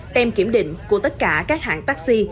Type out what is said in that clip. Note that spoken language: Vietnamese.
tem kiểm định của tất cả các hãng taxi